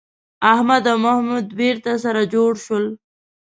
احمد او محمود بېرته سره جوړ شول